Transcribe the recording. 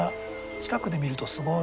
近くで見るとすごい。